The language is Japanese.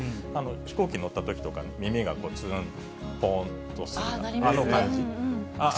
飛行機乗ったときとか、耳がつーん、ぽーんとする、あの感じ。